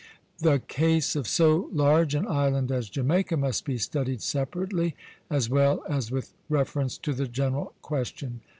The case of so large an island as Jamaica must be studied separately, as well as with reference to the general question.